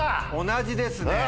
同じですね。